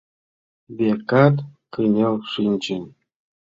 Векат, кынел шинче.